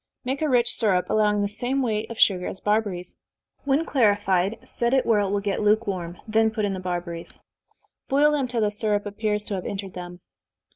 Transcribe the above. Make a rich syrup, allowing the same weight of sugar as barberries. When clarified, set it where it will get lukewarm, then put in the barberries. Boil them till the syrup appears to have entered them.